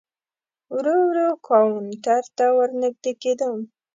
ورو ورو کاونټر ته ور نږدې کېدم.